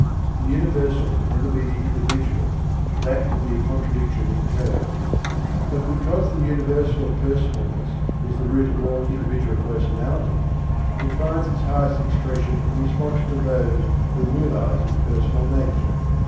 The universal can never be the individual: that would be a contradiction in terms. But because the universal personalness is the root of all individual personalities, it finds its highest expression in response to those who realize its personal nature.